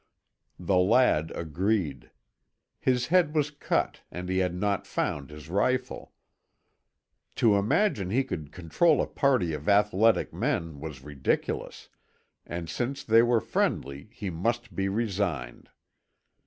The lad agreed. His head was cut and he had not found his rifle. To imagine he could control a party of athletic men was ridiculous, and since they were friendly he must be resigned.